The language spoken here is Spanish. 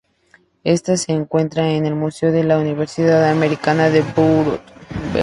Ésta se encuentra en el museo de la Universidad Americana de Beirut.